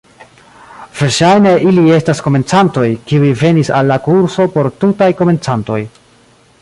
Verŝajne ili estas komencantoj, kiuj venis al la kurso por tutaj komencantoj.